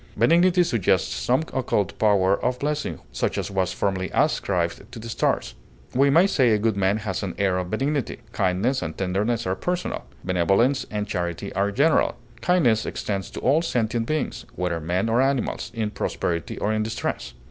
Benignity suggests some occult power of blessing, such as was formerly ascribed to the stars; we may say a good man has an air of benignity. Kindness and tenderness are personal; benevolence and charity are general. Kindness extends to all sentient beings, whether men or animals, in prosperity or in distress.